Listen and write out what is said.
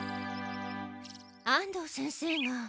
安藤先生が。